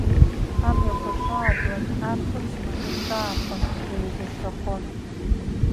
Амҩақәа шаатлак, ар хыҵны рҿаархон, еибашьрахон.